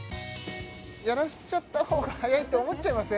やらしちゃった方が早いと思っちゃいません？